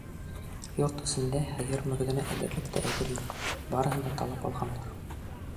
Йорт эсендә һыйыр мөгөҙөнә элерлек тә әйбер юҡ, барыһын да талап алғандар.